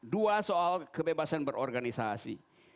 dua soal kebebasan berorganisasi